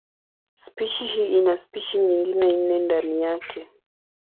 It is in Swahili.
Spishi hii ina spishi nyingine nne ndani yake.